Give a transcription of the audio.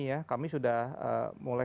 ya kami sudah mulai